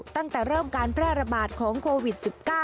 ตั้งแต่เริ่มการแพร่ระบาดของโควิด๑๙